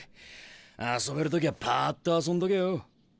遊べる時はパッと遊んどけよ。